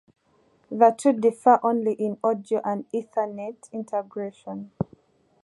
The two differ only in audio and Ethernet integration.